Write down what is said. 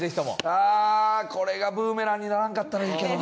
ああこれがブーメランにならんかったらいいけどな。